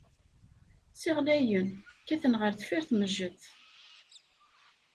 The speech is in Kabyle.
Ssiɣlayen, kkaten ɣer deffir tmejjet.